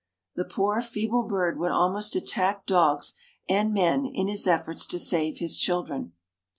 The poor, feeble bird would almost attack dogs and men in his efforts to save his children.